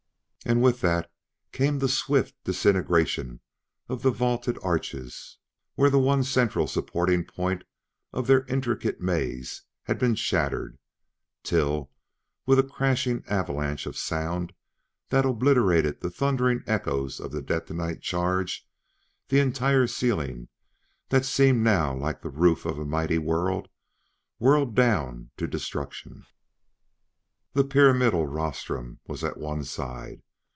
And with that came the swift disintegration of the vaulted arches where the one central supporting point of their intricate maze had been shattered; till, with a crashing avalanche of sound that obliterated the thundering echoes of the detonite charge, the entire ceiling, that seemed now like the roof of a mighty world, roared down to destruction. The pyramidal rostrum was at one side.